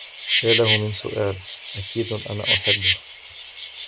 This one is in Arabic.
يا له من سؤال. أكيد أنا أحبه.